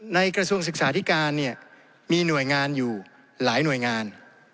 กระทรวงศึกษาธิการเนี่ยมีหน่วยงานอยู่หลายหน่วยงาน